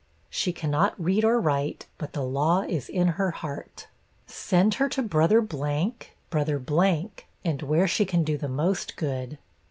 She cannot read or write, but the law is in her heart. 'Send her to brother , brother , and where she can do the most good.